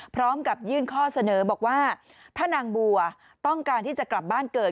พร้อมกับยื่นข้อเสนอบอกว่าถ้านางบัวต้องการที่จะกลับบ้านเกิด